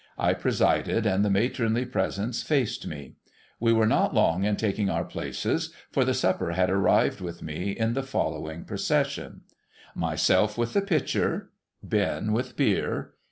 I presided, and the matronly presence faced me. We were not long in taking our places, for the supper had arrived with me, in the following procession : Myself with the pitcher. Ben with Beer.